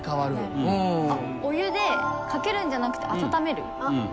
お湯でかけるんじゃなくて温める。